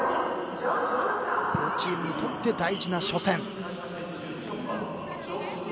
両チームにとって大事な初戦。